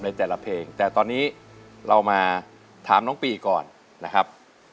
ในแต่ละเพลงแต่ตอนนี้เรามาถามน้องปีก่อนนะครับ